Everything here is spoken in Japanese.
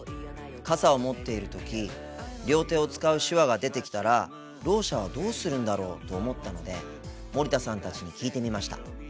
傘を持っている時両手を使う手話が出てきたらろう者はどうするんだろうと思ったので森田さんたちに聞いてみました。